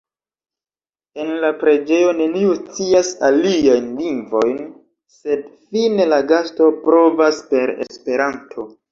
En la preĝejo neniu scias aliajn lingvojn, sed fine la gasto provas per Esperanto.